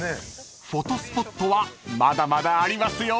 ［フォトスポットはまだまだありますよ］